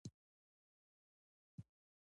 د ګوز موتر روغلى.